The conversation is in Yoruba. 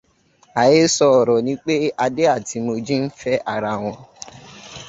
Àhesọ ọ̀rọ̀ ni pé Adé àti Mojí ń fẹ́ ara wọn